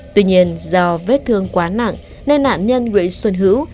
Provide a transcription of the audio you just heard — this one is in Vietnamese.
tuy nhiên do vết thương quá nặng nên nạn nhân nguyễn xuân hữu